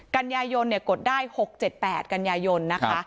กันยายนกดได้๖๗๘กันยายนนะคะ